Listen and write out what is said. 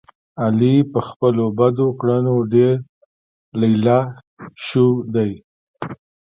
علي په خپلو بدو کړنو ډېر لیله شو دی.